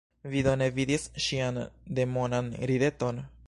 Vi do ne vidis ŝian demonan rideton?